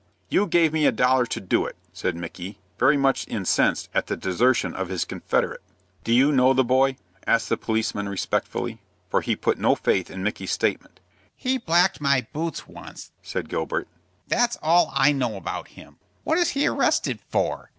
"You give me a dollar to do it," said Micky, very much incensed at the desertion of his confederate. "Do you know the boy?" asked the policeman respectfully, for he put no faith in Micky's statement. "He blacked my boots once," said Gilbert. "That's all I know about him. What is he arrested for?"